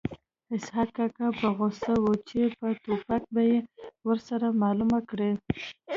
اسحق کاکا په غوسه و چې په ټوپک به یې ورسره معلومه کړي